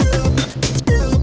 wah keren banget